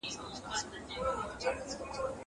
زه مخکي انځورونه رسم کړي وو.